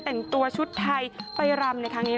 แต่งตัวชุดไทยไปรำ